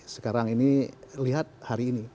sekarang ini lihat hari ini